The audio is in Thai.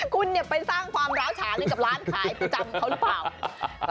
คุณไปสร้างความร้าวฉานให้กับร้านขายประจำเขาหรือเปล่า